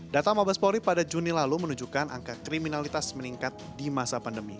data mabes polri pada juni lalu menunjukkan angka kriminalitas meningkat di masa pandemi